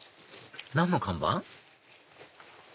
何の看板？